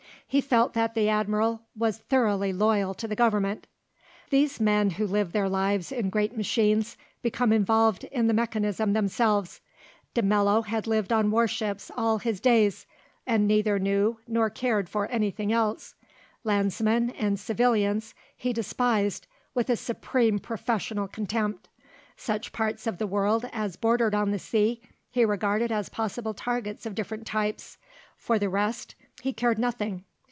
He felt that the Admiral was thoroughly loyal to the Government. These men who live their lives in great machines, become involved in the mechanism themselves. De Mello had lived on warships all his days, and neither knew nor cared for anything else. Landsmen and civilians he despised with a supreme professional contempt. Such parts of the world as bordered on the sea, he regarded as possible targets of different types; for the rest he cared nothing.